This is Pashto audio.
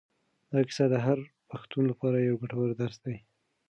دا کیسه د هر پښتون لپاره یو ګټور درس لري.